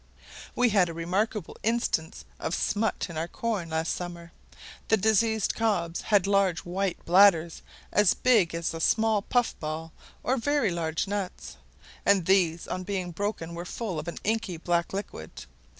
We had a remarkable instance of smut in our corn last summer. The diseased cobs had large white bladders as big as a small puff ball, or very large nuts, and these on being broken were full of an inky black liquid.